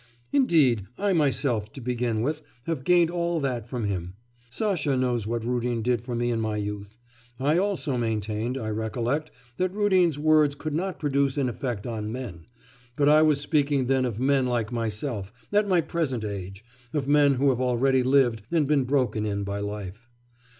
Indeed, I myself, to begin with, have gained all that from him.... Sasha knows what Rudin did for me in my youth. I also maintained, I recollect, that Rudin's words could not produce an effect on men; but I was speaking then of men like myself, at my present age, of men who have already lived and been broken in by life.